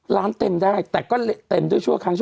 เต็มได้แต่ก็เต็มด้วยชั่วครั้งชั